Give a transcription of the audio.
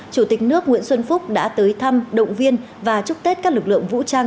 chủ tịch nước nguyễn xuân phúc đã tới thăm động viên và chúc tết các lực lượng vũ trang